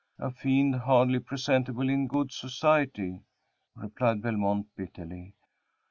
"A fiend hardly presentable in good society," replied Belmont, bitterly.